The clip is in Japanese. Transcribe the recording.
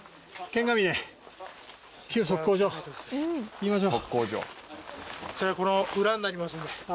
行きましょう。